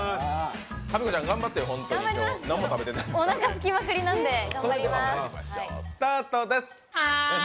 おなかすきまくりなんで頑張ります！